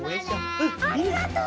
ありがとう！